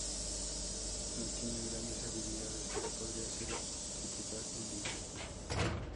No tiene grandes habilidades, pero podría ser titular un día".